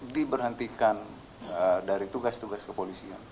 diberhentikan dari tugas tugas kepolisian